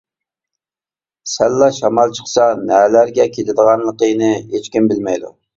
سەللا شامال چىقسا نەلەرگە كېتىدىغانلىقىنى ھېچكىم بىلمەيدۇ.